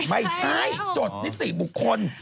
ไม่ใช่จดนิติบุคคล